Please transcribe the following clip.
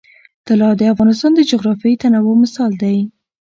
طلا د افغانستان د جغرافیوي تنوع مثال دی.